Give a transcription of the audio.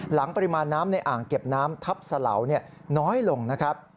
ปริมาณน้ำในอ่างเก็บน้ำทับสะเหลาน้อยลงนะครับ